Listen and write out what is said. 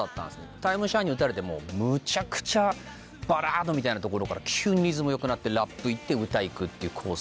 『ＴＩＭＥシャワーに射たれて』もむちゃくちゃバラードみたいなところから急にリズム良くなってラップ行って歌行くっていう構成。